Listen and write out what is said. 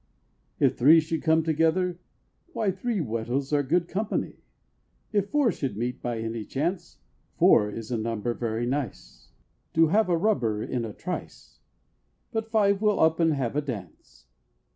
If three should come together why, Three widows are good company! If four should meet by any chance, Four is a number very nice, To have a rubber in a trice But five will up and have a dance!